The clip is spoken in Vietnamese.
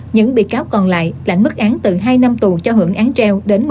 những bị cáo còn lại lãnh mức án từ hai năm tù cho hưởng án treo đến một mươi ba năm tù